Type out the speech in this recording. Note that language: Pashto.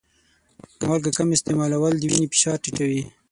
مالګه کم استعمالول د وینې فشار ټیټوي.